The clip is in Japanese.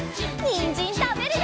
にんじんたべるよ！